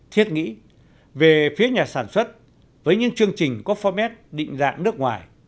thiết nghĩ về phía nhà sản xuất với những chương trình có format định dạng nước ngoài